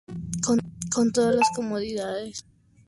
Con todas las comodidades y ascensor al sector de suites.